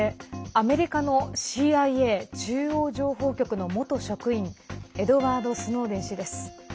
アメリカのＣＩＡ＝中央情報局の元職員エドワード・スノーデン氏です。